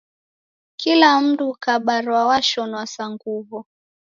Kila mndu ukabarwa washonwa sa nguw'o!